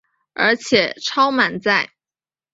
而且超满载